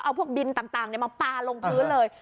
เอาพวกบินต่างมาปลาลงพื้นเลย